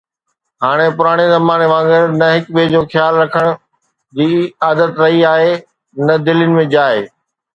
هاڻ پراڻي زماني وانگر نه هڪ ٻئي جو خيال رکڻ جي عادت رهي آهي نه دلين ۾ جاءِ.